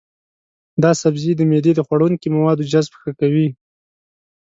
دا سبزی د معدې د خوړنکي موادو جذب ښه کوي.